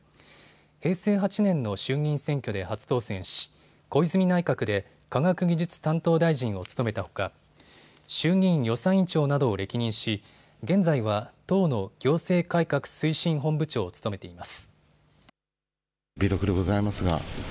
平成８年の衆議院選挙で初当選し小泉内閣で科学技術担当大臣を務めたほか衆議院予算委員長などを歴任し現在は党の行政改革推進本部長を務めています。